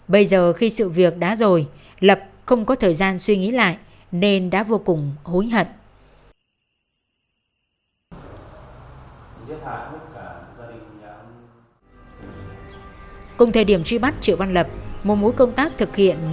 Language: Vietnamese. bây giờ khi sự việc đã rồi lập không có thời gian suy nghĩ lại nên đã vô cùng hối hận